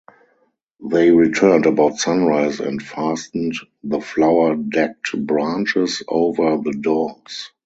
They returned about sunrise and fastened the flower-decked branches over the doors.